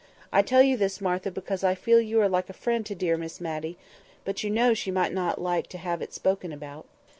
I tell you this, Martha, because I feel you are like a friend to dear Miss Matty, but you know she might not like to have it spoken about."